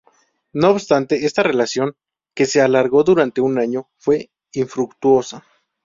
No obstante, esta relación, que se alargó durante un año, fue infructuosa.